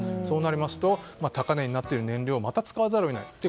そうなりますと高値になっている燃料をまた使わざるを得ない。